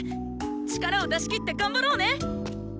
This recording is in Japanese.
力を出しきって頑張ろうね！